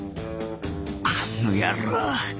あの野郎